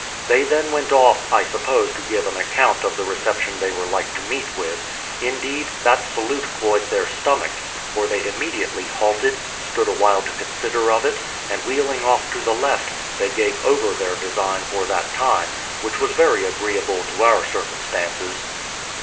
They then went off, I suppose to give an account of the reception they were like to meet with; indeed, that salute cloyed their stomachs, for they immediately halted, stood a while to consider of it, and wheeling off to the left, they gave over their design for that time, which was very agreeable to our circumstances.